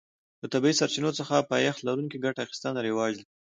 له طبیعي سرچینو څخه پایښت لرونکې ګټه اخیستنه رواج کړي.